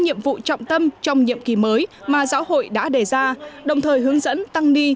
vấn đề trọng tâm trong nhiệm kỳ mới mà giáo hội đã đề ra đồng thời hướng dẫn tăng ni